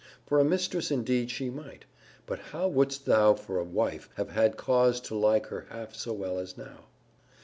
For a mistress indeed she might: but how wouldst thou for a wife have had cause to like her half so well as now?